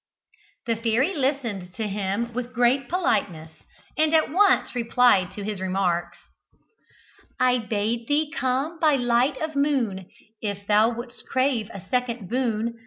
The fairy listened to him with great politeness, and at once replied to his remarks, "I bade thee come by light of moon If thou would'st crave a second boon.